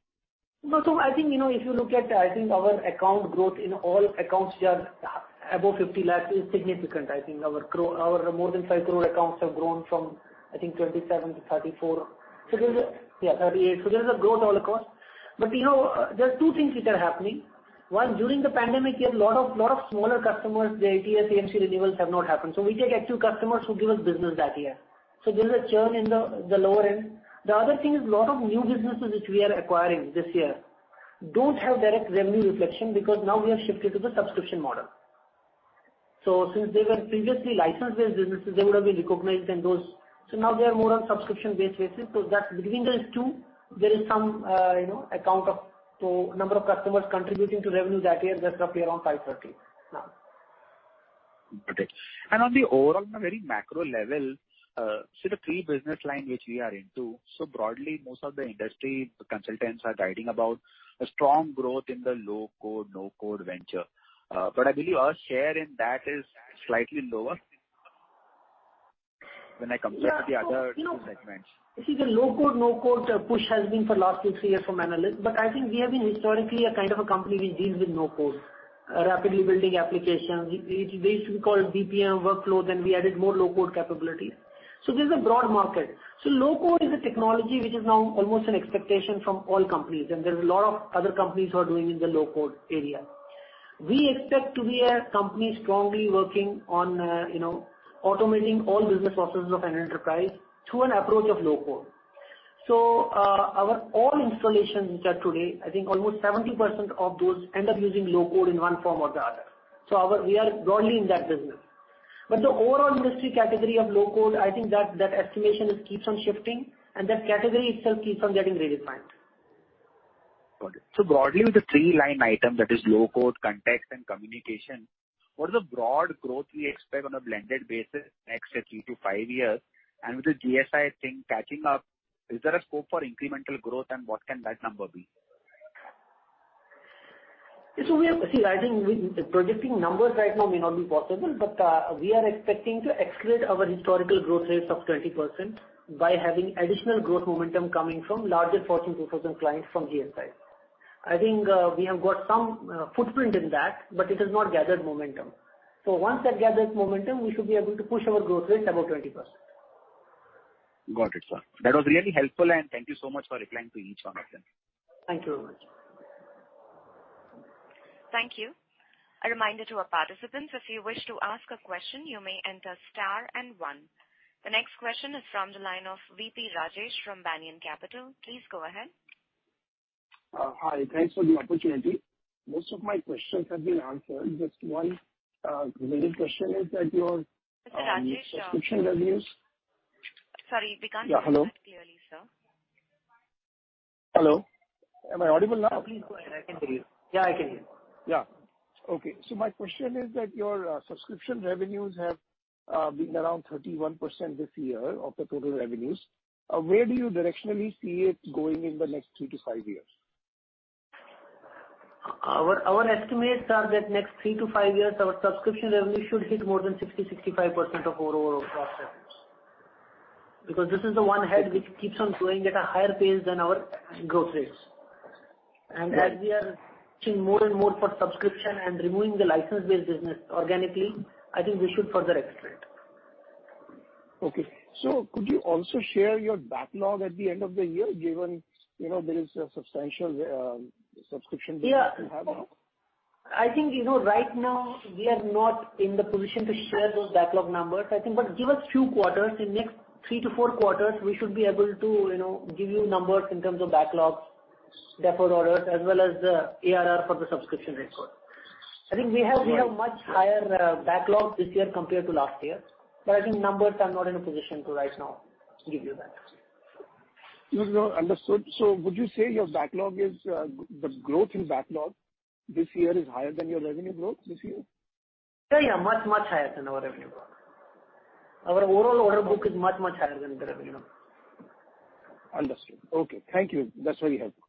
No. I think, you know, if you look at, I think our account growth in all accounts which are above 50 lakhs is significant. I think our more than 5 crore accounts have grown from 27 crore-38 crore. There's a growth all across. You know, there are two things which are happening. One, during the pandemic, we had a lot of smaller customers, their ATS/AMC renewals have not happened. We take active customers who give us business that year. There's a churn in the lower end. The other thing is a lot of new businesses which we are acquiring this year don't have direct revenue reflection because now we have shifted to the subscription model. Since they were previously license-based businesses, they would have been recognized in those. Now they are more on subscription-based basis. That between those two, there is some account of number of customers contributing to revenues that year, that's roughly around 530 now. Got it. On the overall, on a very macro level, so the three business line which we are into, so broadly, most of the industry consultants are guiding about a strong growth in the low-code, no-code venture. I believe our share in that is slightly lower when I compare to the other two segments. Yeah. You know, you see the low-code, no-code push has been for last two, three years from analysts. I think we have been historically a kind of a company which deals with no-code rapidly building applications. It used to be called BPM workflows, and we added more low-code capabilities. This is a broad market. Low-code is a technology which is now almost an expectation from all companies, and there's a lot of other companies who are doing in the low-code area. We expect to be a company strongly working on, you know, automating all business processes of an enterprise through an approach of low-code. Our all installations which are today, I think almost 70% of those end up using low-code in one form or the other. We are broadly in that business. The overall industry category of low-code, I think that estimation keeps on shifting and that category itself keeps on getting redefined. Got it. Broadly with the three line item that is low-code, content and communication, what is the broad growth we expect on a blended basis next, say, three to five years? With the GSI, I think catching up, is there a scope for incremental growth and what can that number be? Projecting numbers right now may not be possible, but we are expecting to accelerate our historical growth rates of 20% by having additional growth momentum coming from larger Fortune 2000 clients from GSI. I think we have got some footprint in that, but it has not gathered momentum. Once that gathers momentum, we should be able to push our growth rate above 20%. Got it, sir. That was really helpful, and thank you so much for replying to each one of them. Thank you very much. Thank you. A reminder to our participants, if you wish to ask a question, you may enter star and one. The next question is from the line of V.P. Rajesh from Banyan Capital. Please go ahead. Hi. Thanks for the opportunity. Most of my questions have been answered. Just one related question is that your Mr. V.P. Rajesh Subscription revenues. Sorry, we can't hear you clearly, sir. Yeah, hello. Hello. Am I audible now? Please go ahead. I can hear you. Yeah, I can hear you. My question is that your subscription revenues have been around 31% this year of the total revenues. Where do you directionally see it going in the next three to five years? Our estimates are that next three to five years, our subscription revenue should hit more than 60%-65% of overall gross revenues. Because this is the one head which keeps on growing at a higher pace than our growth rates. Right. As we are pushing more and more for subscription and removing the license-based business organically, I think we should further accelerate. Okay. Could you also share your backlog at the end of the year, given, you know, there is a substantial subscription base you have now? Yeah. I think, you know, right now we are not in the position to share those backlog numbers. I think give us few quarters. In next three to four quarters, we should be able to, you know, give you numbers in terms of backlogs, deferred orders, as well as the ARR for the subscription revenue. I think we have much higher backlogs this year compared to last year. I think numbers, I'm not in a position to right now give you that. No, no, understood. Would you say your backlog is, the growth in backlog this year is higher than your revenue growth this year? Yeah. Much, much higher than our revenue growth. Our overall order book is much, much higher than the revenue. Understood. Okay. Thank you. That's very helpful.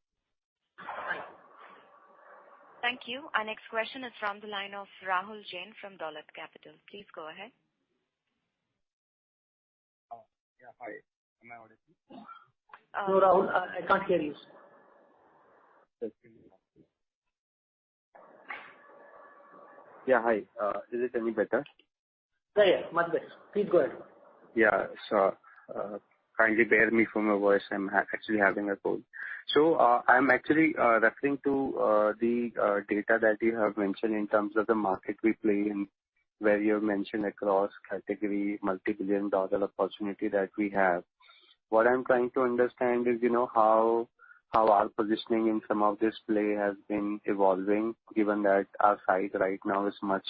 Thank you. Our next question is from the line of Rahul Jain from Dolat Capital. Please go ahead. Yeah. Hi. Am I audible? Hello, Rahul. I can't hear you, sir. Yeah. Hi. Is it any better? Yeah, yeah. Much better. Please go ahead. Yeah. Kindly bear with me for my voice. I'm actually having a cold. I'm actually referring to the data that you have mentioned in terms of the market we play in, where you have mentioned across category, multi-billion dollar opportunity that we have. What I'm trying to understand is, you know, how our positioning in some of this play has been evolving, given that our size right now is much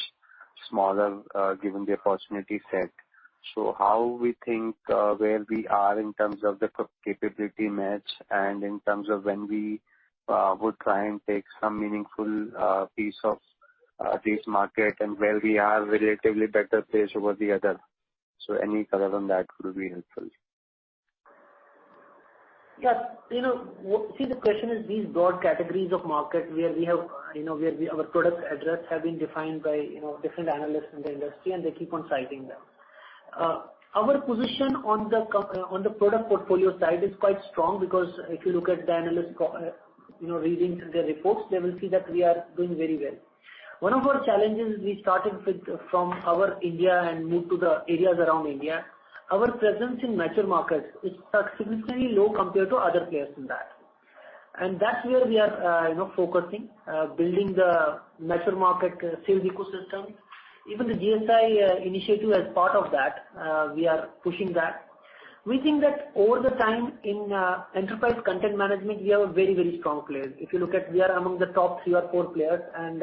smaller, given the opportunity set. How we think where we are in terms of the capability match and in terms of when we would try and take some meaningful piece of this market and where we are relatively better placed over the other. Any color on that would be helpful. Yes. You know, see, the question is these broad categories of market where our product addresses have been defined by, you know, different analysts in the industry, and they keep on citing them. Our position on the product portfolio side is quite strong because if you look at the analyst readings and their reports, they will see that we are doing very well. One of our challenges is we started with from India and moved to the areas around India. Our presence in mature markets is significantly low compared to other players in that. That's where we are, you know, focusing, building the mature market sales ecosystem. Even the GSI initiative as part of that, we are pushing that. We think that over time in enterprise content management, we have a very, very strong player. If you look at, we are among the top three or four players and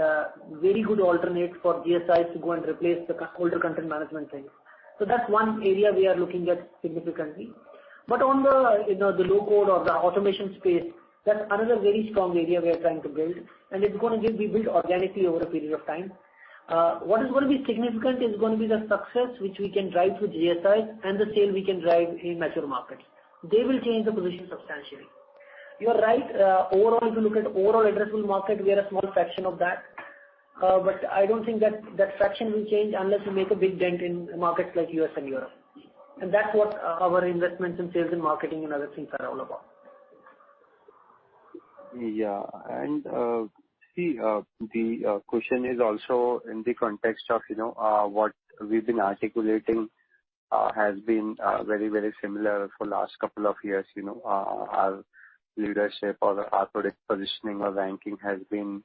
very good alternative for GSIs to go and replace the older content management teams. That's one area we are looking at significantly. On the, you know, the low-code or the automation space, that's another very strong area we are trying to build, and it's gonna be built organically over a period of time. What is gonna be significant is gonna be the success which we can drive through GSIs and the sales we can drive in mature markets. They will change the position substantially. You are right. Overall, if you look at overall addressable market, we are a small fraction of that. I don't think that fraction will change unless we make a big dent in markets like U.S. and Europe. That's what our investments in sales and marketing and other things are all about. The question is also in the context of, you know, what we've been articulating has been very, very similar for last couple of years. You know, our leadership or our product positioning or ranking has been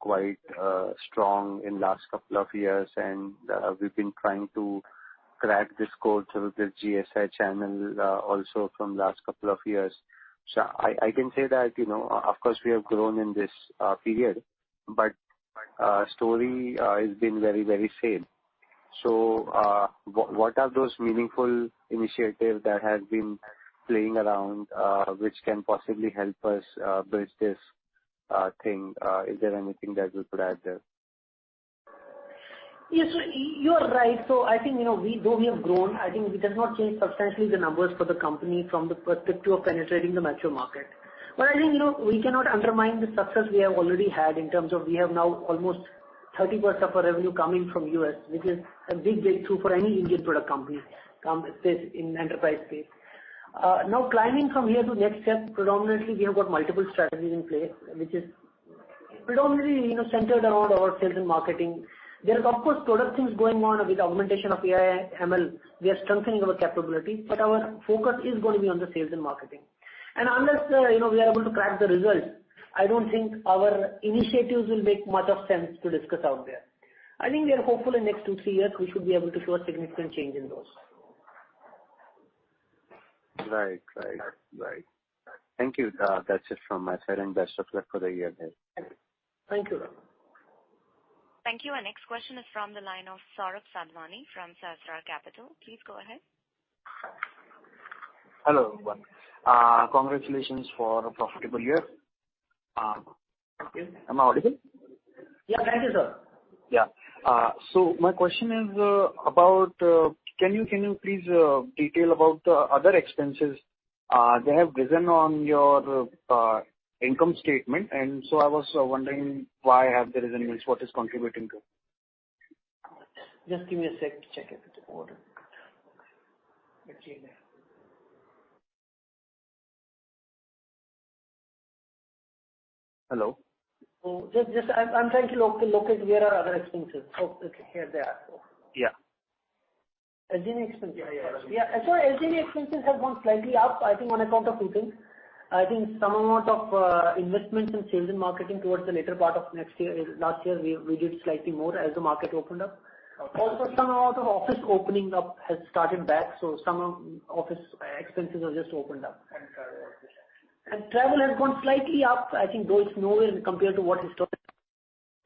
quite strong in last couple of years, and we've been trying to crack this code through the GSI channel also from last couple of years. I can say that, you know, of course we have grown in this period, but story has been very, very same. What are those meaningful initiatives that have been playing around, which can possibly help us bridge this thing? Is there anything that you could add there? Yes. You are right. I think, you know. Though we have grown, I think it does not change substantially the numbers for the company from the perspective of penetrating the mature market. I think, you know, we cannot undermine the success we have already had in terms of, we have now almost 30% of our revenue coming from U.S., which is a big breakthrough for any Indian product company, say, in enterprise space. Now climbing from here to next step, predominantly, we have got multiple strategies in place, which is predominantly, you know, centered around our sales and marketing. There is of course product things going on with augmentation of AI/ML. We are strengthening our capability, but our focus is gonna be on the sales and marketing. Unless, you know, we are able to crack the results, I don't think our initiatives will make much sense to discuss out there. I think we are hopeful in next two, three years, we should be able to show a significant change in those. Right. Thank you. That's it from my side and best of luck for the year ahead. Thank you. Thank you. Our next question is from the line of Saurabh Sadhwani from Sahasrar Capital. Please go ahead. Hello. Congratulations for a profitable year. Am I audible? Yeah. Thank you, sir. Yeah. Can you please detail about other expenses. They have risen on your income statement. I was wondering why have they risen and what is contributing to it? Just give me a sec to check it with the board. Let's see now. Hello? Oh, just, I'm trying to locate where are other expenses. Oh, okay. Here they are. Yeah. SG&A expenses. Yeah. SG&A expenses have gone slightly up, I think, on account of few things. I think some amount of investments in sales and marketing towards the later part of last year we did slightly more as the market opened up. Okay. Also some amount of office opening up has started back, so some office expenses have just opened up. Travel also. Travel has gone slightly up. I think that's nowhere near compared to what historically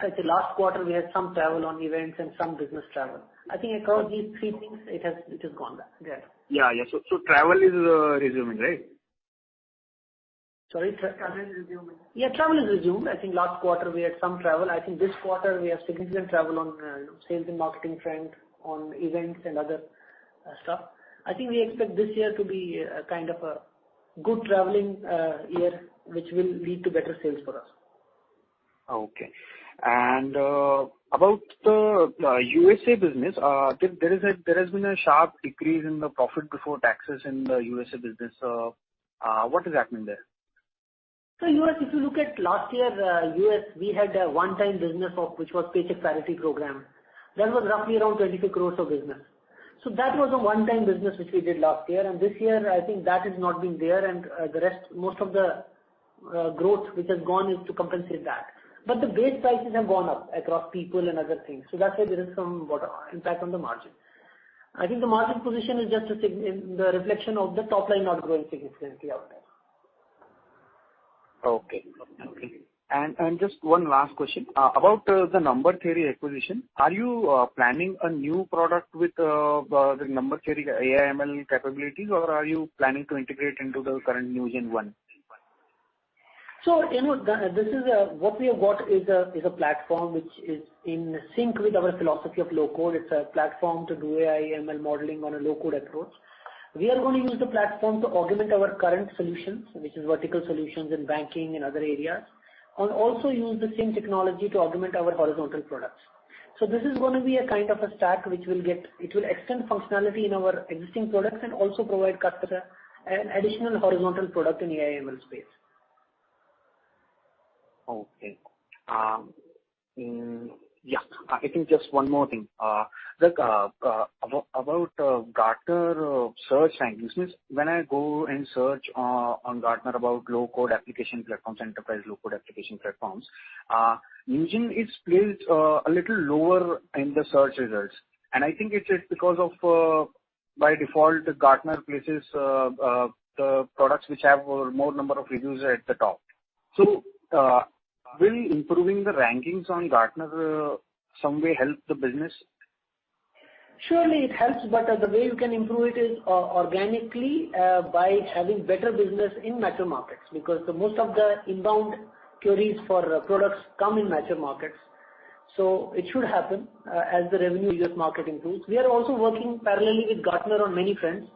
in the last quarter we had some travel on events and some business travel. I think across these three things it has gone back, yeah. Yeah. Yeah. Travel is resuming, right? Sorry? Travel is resuming. Yeah, travel is resumed. I think last quarter we had some travel. I think this quarter we have significant travel on sales and marketing front, on events and other stuff. I think we expect this year to be kind of a good traveling year, which will lead to better sales for us. Okay. About the USA business, there has been a sharp decrease in the profit before taxes in the USA business. What is happening there? U.S., if you look at last year, U.S., we had a one-time business which was Paycheck Protection Program. That was roughly around 25 crores of business. That was a one-time business which we did last year, and this year I think that has not been there, and the rest, most of the growth which has gone is to compensate that. The base sizes have gone up across people and other things. That's why there is some impact on the margin. I think the margin position is just the reflection of the top line not growing significantly out there. Just one last question. About the Number Theory acquisition, are you planning a new product with the Number Theory AI/ML capabilities or are you planning to integrate into the current NewgenONE? What we have got is a platform which is in sync with our philosophy of low-code. It's a platform to do AI/ML modeling on a low-code approach. We are gonna use the platform to augment our current solutions, which is vertical solutions in banking and other areas, and also use the same technology to augment our horizontal products. This is gonna be a kind of a stack which will extend functionality in our existing products and also provide customer an additional horizontal product in the AI/ML space. Okay. Yeah, I think just one more thing. About Gartner search and usage, when I go and search on Gartner about low-code application platforms, enterprise low-code application platforms, Newgen is placed a little lower in the search results, and I think it's because of by default, Gartner places the products which have more number of reviews at the top. Will improving the rankings on Gartner some way help the business? Surely it helps, but the way you can improve it is organically by having better business in mature markets, because most of the inbound queries for products come in mature markets. It should happen as the revenue in U.S. market improves. We are also working parallelly with Gartner on many fronts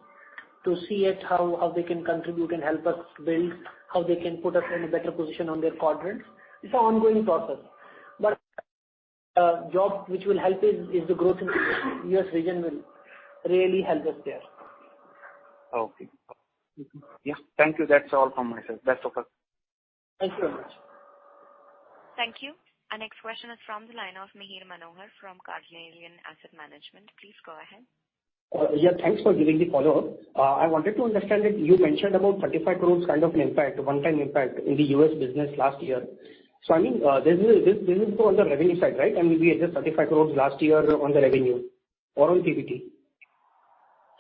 to see how they can contribute and help us build how they can put us in a better position on their quadrants. It's an ongoing process. Job which will help is the growth in the U.S. region will really help us there. Okay. Yeah. Thank you. That's all from myself. Best of luck. Thank you very much. Thank you. Our next question is from the line of Mihir Manohar from Carnelian Asset Management. Please go ahead. Yeah, thanks for giving the follow-up. I wanted to understand that you mentioned about 35 crores kind of an impact, a one-time impact in the U.S. business last year. I mean, this will go on the revenue side, right? Maybe it is 35 crores last year on the revenue or on PBT.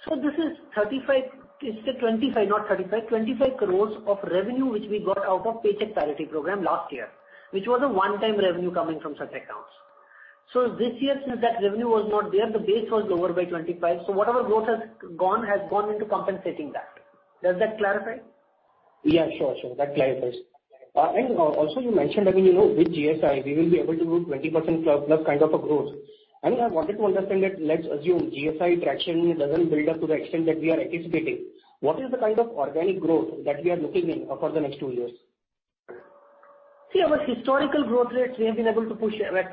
This is 35 crore, it's, say, 25 crore, not 35 crore. 25 crores of revenue which we got out of Paycheck Protection Program last year, which was a one-time revenue coming from such accounts. This year, since that revenue was not there, the base was lower by 25. Whatever growth has gone into compensating that. Does that clarify? Yeah, sure. That clarifies. Also you mentioned, I mean, you know, with GSI, we will be able to do 20%+ kind of a growth. I wanted to understand that let's assume GSI traction doesn't build up to the extent that we are anticipating. What is the kind of organic growth that we are looking at for the next two years? See, our historical growth rates, we have been able to push at 20%.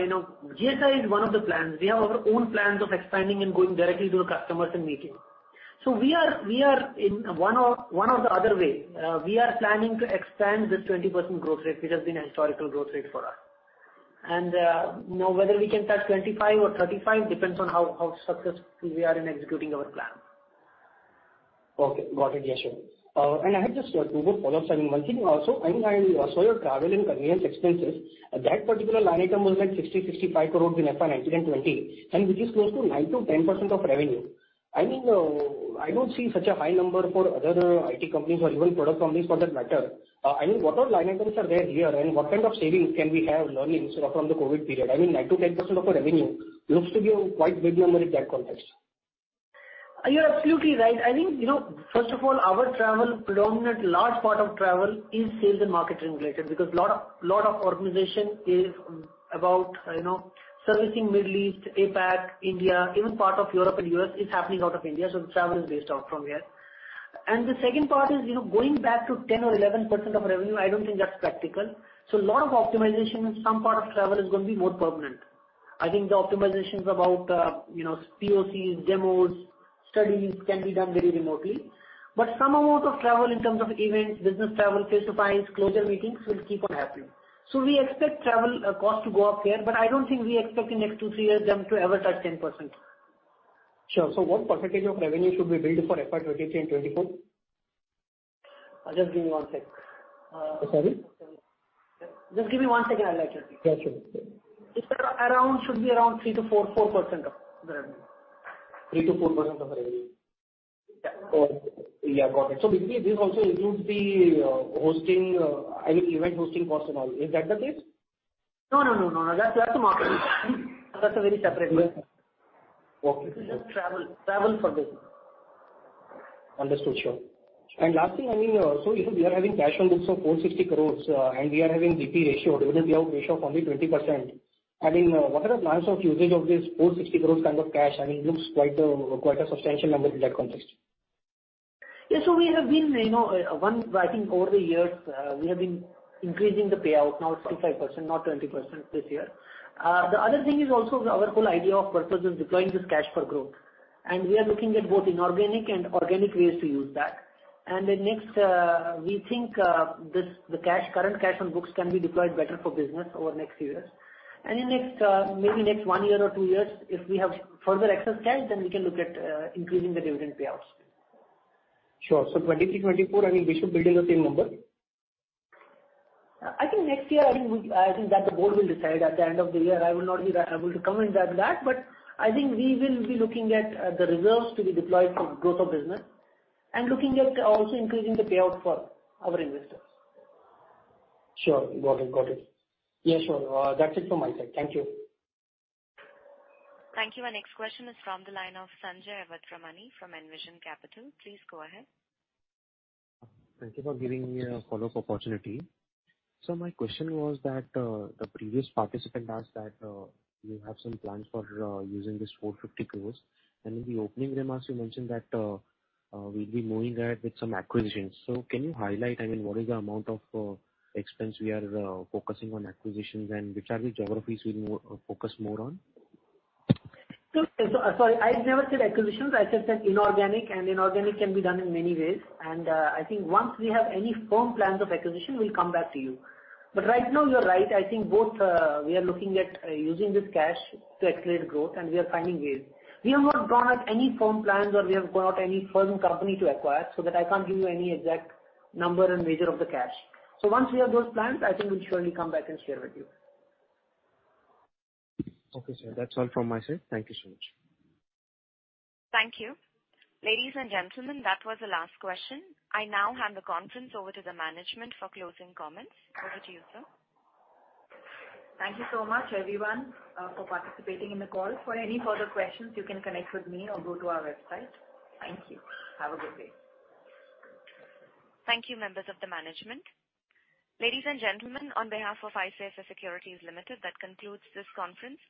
You know, GSI is one of the plans. We have our own plans of expanding and going directly to the customers and meeting. We are in one or the other way. We are planning to expand this 20% growth rate, which has been a historical growth rate for us. You know, whether we can touch 25% or 35% depends on how successful we are in executing our plan. Okay. Got it. Yes, sure. I have just two more follow-ups. I mean, one thing also, I mean, I saw your travel and convenience expenses. That particular line item was like 65 crore in FY 2019 and 2020, and which is close to 9%-10% of revenue. I mean, I don't see such a high number for other IT companies or even product companies for that matter. I mean, what all line items are there here? And what kind of savings can we have learned in sort of from the COVID period? I mean, 9%-10% of the revenue looks to be a quite big number in that context. You're absolutely right. I think, you know, first of all, our travel predominant, large part of travel is sales and marketing related because lot of organization is about, you know, servicing Middle East, APAC, India, even part of Europe and U.S. is happening out of India, so the travel is based out from here. The second part is, you know, going back to 10% or 11% of revenue, I don't think that's practical. A lot of optimization in some part of travel is gonna be more permanent. I think the optimizations about, you know, POCs, demos, studies can be done very remotely. But some amount of travel in terms of events, business travel, face-to-face, closure meetings will keep on happening. We expect travel cost to go up here, but I don't think we expecting next two, three years them to ever touch 10%. Sure. What percentage of revenue should we build for FY 2023 and 2024? Just give me one sec. Sorry? Just give me one second, I'll let you know. Yeah, sure. Sure. It should be around 3%-4% of the revenue. 3%-4% of revenue? Yeah. Yeah, got it. Basically, this also includes the hosting, I mean, event hosting costs and all. Is that the case? No. That's a marketing. That's a very separate. Okay. This is just travel for business. Understood. Sure. Last thing, I mean, so if we are having cash on books of 460 crores, and we are having P/B ratio, dividend payout ratio of only 20%, I mean, what are the plans of usage of this 460 crores kind of cash? I mean, it looks quite a substantial number in that context. We have been increasing the payout over the years now to 5%, not 20% this year. The other thing is our whole idea or purpose is deploying this cash for growth. We are looking at both inorganic and organic ways to use that. We think the current cash on books can be deployed better for business over next few years. In next, maybe next one year or two years, if we have further excess cash, then we can look at increasing the dividend payouts. Sure. 2023, 2024, I mean, we should build in the same number? I think next year that the board will decide at the end of the year. I will not be able to comment on that. I think we will be looking at the reserves to be deployed for growth of business and looking at also increasing the payout for our investors. Sure. Got it. Yeah, sure. That's it from my side. Thank you. Thank you. Our next question is from the line of Sanjay Awatramani from Envision Capital. Please go ahead. Thank you for giving me a follow-up opportunity. My question was that, the previous participant asked that, you have some plans for using this 450 crore. In the opening remarks, you mentioned that, we'll be moving ahead with some acquisitions. Can you highlight, I mean, what is the amount of expense we are focusing on acquisitions and which are the geographies we'll focus more on? Sorry. I never said acquisitions. I just said inorganic, and inorganic can be done in many ways. I think once we have any firm plans of acquisition, we'll come back to you. Right now, you're right. I think both, we are looking at using this cash to accelerate growth and we are finding ways. We have not drawn out any firm plans or we have got any firm company to acquire, so that I can't give you any exact number and measure of the cash. Once we have those plans, I think we'll surely come back and share with you. Okay, sir. That's all from my side. Thank you so much. Thank you. Ladies and gentlemen, that was the last question. I now hand the conference over to the management for closing comments. Over to you, sir. Thank you so much everyone, for participating in the call. For any further questions, you can connect with me or go to our website. Thank you. Have a good day. Thank you, members of the management. Ladies and gentlemen, on behalf of ICICI Securities Limited, that concludes this conference.